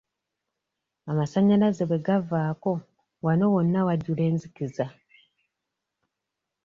Amasannyalaze bwe gavaako wano wonna wajjula enzikiza.